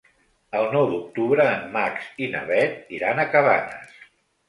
El nou d'octubre en Max i na Bet iran a Cabanes.